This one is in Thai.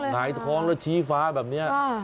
หายท้องแล้วชี้ฟ้าแบบนี้